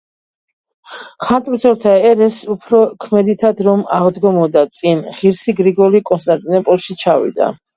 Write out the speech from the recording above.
ხატმბრძოლთა ერესს უფრო ქმედითად რომ აღდგომოდა წინ, ღირსი გრიგოლი კონსტანტინოპოლში ჩავიდა.